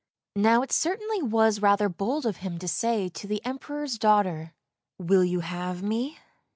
Now, it certainly was rather bold of him to say to the Em peror's daughter, "Will you have me?"